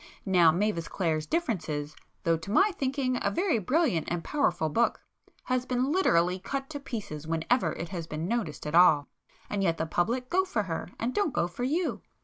Now Mavis Clare's 'Differences,' though to my thinking a very brilliant and powerful book, has been literally cut to pieces whenever it has been noticed at all,—and yet the public go for her and don't go for you.